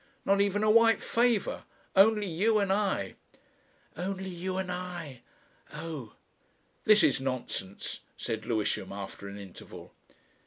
Not even a white favour. Only you and I." "Only you and I. Oh!" "This is nonsense," said Lewisham, after an interval.